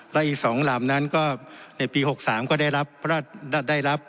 และอีก๒ลำนั้นก็ในปี๖๓ก็ได้รับ